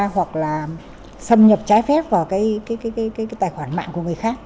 hoặc là xâm nhập trái phép vào cái tài khoản mạng của người khác